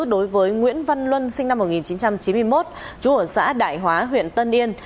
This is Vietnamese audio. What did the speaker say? đối với nguyễn văn luân sinh năm một nghìn chín trăm chín mươi một trú ở xã đại hóa huyện tân yên